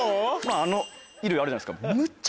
あの衣類あるじゃないですか。